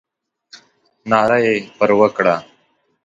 ناره یې پر وکړه.